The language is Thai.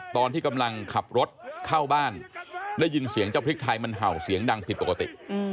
ตอนที่กำลังขับรถเข้าบ้านได้ยินเสียงเจ้าพริกไทยมันเห่าเสียงดังผิดปกติ